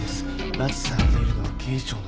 拉致されているのは警視庁の刑事です。